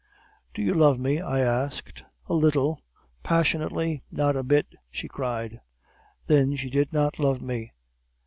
"'Do you love me?' I asked. "'A little, passionately not a bit!' she cried. "Then she did not love me.